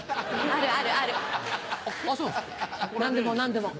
何でも何でも。